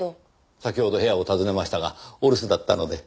先ほど部屋を訪ねましたがお留守だったので。